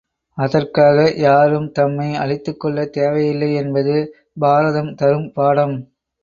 அதற்காக யாரும் தம்மை அழித்துக் கொள்ளத் தேவையில்லை என்பது பாரதம் தரும் பாடம்.